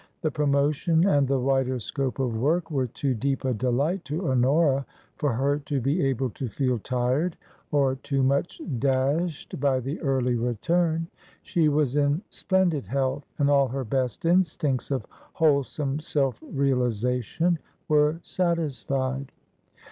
The promotion and the wider scope of work were too deep a delight to Honora for her to be able to feel tired or too much dashed by the early return; she was in splen did health and all her best instincts of wholesome self realization were satisfied.